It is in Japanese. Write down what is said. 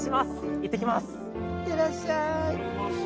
いってらっしゃい。